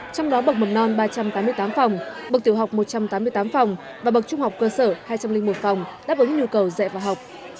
trong đó bậc mầm non ba trăm tám mươi tám phòng bậc tiểu học một trăm tám mươi tám phòng và bậc trung học cơ sở hai trăm linh một phòng đáp ứng nhu cầu dạy và học